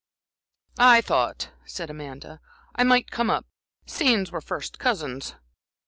"I thought," said Amanda, "I might come up seeing we're first cousins."